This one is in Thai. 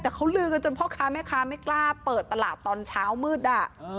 แต่เขาลือกันจนพ่อค้าแม่ค้าไม่กล้าเปิดตลาดตอนเช้ามืด